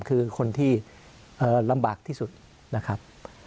คือคนที่ลำบากที่สุดนะครับ